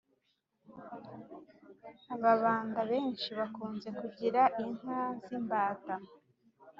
ababanda benshi bakunze kugira inka z'imbata